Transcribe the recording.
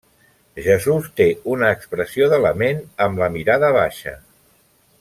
Jesús té una expressió de lament, amb la mirada baixa.